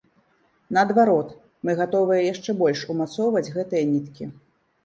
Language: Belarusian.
Наадварот, мы гатовыя яшчэ больш умацоўваць гэтыя ніткі.